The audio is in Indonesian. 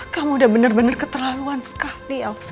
kamu udah bener bener keterlaluan sekali elsa